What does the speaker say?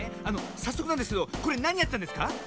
さっそくなんですけどこれなにやってたんですか？